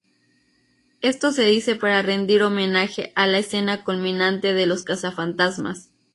Esto se dice para rendir homenaje a la escena culminante de Los Cazafantasmas.